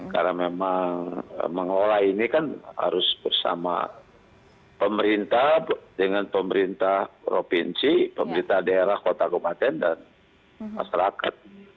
karena memang mengolah ini kan harus bersama pemerintah dengan pemerintah provinsi pemerintah daerah kota kubatan dan masyarakat